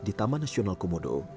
di taman nasional komodo